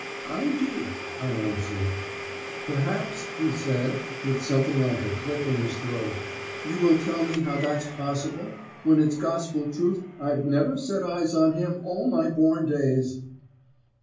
"'I do,' I answered. "'Perhaps,' he said, with something like a click in his throat, 'you will tell me how that's possible, when it's gospel truth I've never set eyes on him all my born days.'